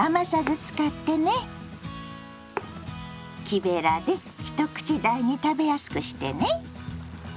木べらで一口大に食べやすくしてね。